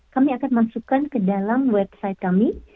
kami akan masukkan ke dalam website kami